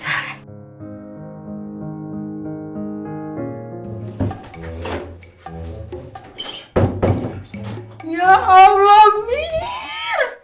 ya allah mir